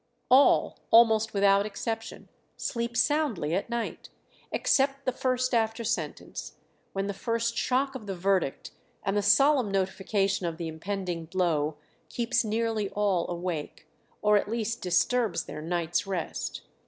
All almost without exception sleep soundly at night, except the first after sentence, when the first shock of the verdict and the solemn notification of the impending blow keeps nearly all awake, or at least disturbs their night's rest.